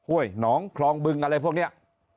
โอ้ยหนองคลองบึงอะไรพวกเนี้ย